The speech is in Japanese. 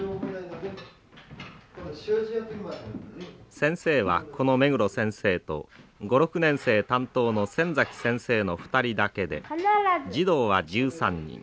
先生はこのめぐろ先生と５６年生担当のせんざき先生の２人だけで児童は１３人。